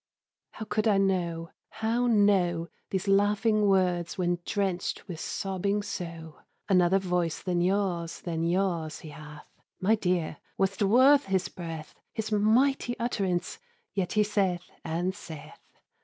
_" How could I know, how know Those laughing words when drenched with sobbing so? Another voice than yours, than yours, he hath! My dear, was 't worth his breath, His mighty utterance? yet he saith, and saith!